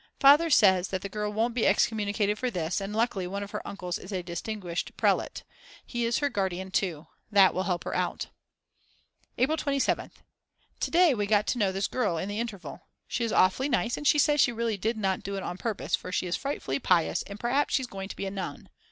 Father says that the girl won't be excommunicated for this, and luckily one of her uncles is a distinguished prelate. He is her guardian too. That will help her out. April 27th. To day we got to know this girl in the interval. She is awfully nice and she says she really did not do it on purpose for she is frightfully pious and perhaps she's going to be a nun.